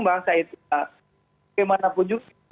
bang saib itu